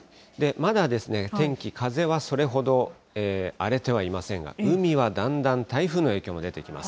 まだ天気、風はそれほど荒れてはいませんが、海はだんだん台風の影響が出てきます。